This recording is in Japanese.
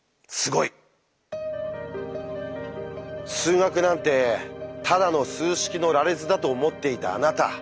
数学なんてただの数式の羅列だと思っていたあなた。